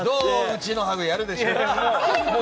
うちのハグやるでしょ？